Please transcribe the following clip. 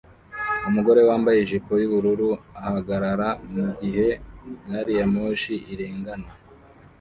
Umugore wambaye ijipo yubururu ahagarara mugihe gari ya moshi irengana